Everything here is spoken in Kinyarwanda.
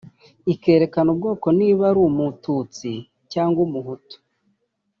ikerekana ubwoko niba uri Umututsi cyangwa Umuhutu